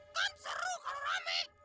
kan seru kalau rame